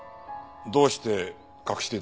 どうして隠していたんですか？